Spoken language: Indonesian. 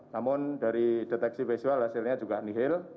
namun dari deteksi visual hasilnya juga nihil